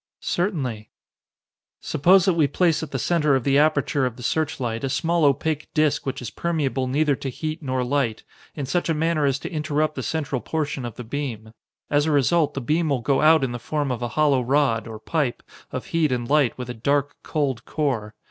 "Certainly." "Suppose that we place at the center of the aperture of the searchlight a small opaque disc which is permeable neither to heat nor light, in such a manner as to interrupt the central portion of the beam. As a result, the beam will go out in the form of a hollow rod, or pipe, of heat and light with a dark, cold core.